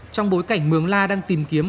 trong bối cảnh mường la đang tìm kiếm